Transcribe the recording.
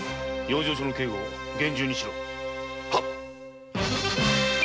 養生所の警護を厳重にしろ！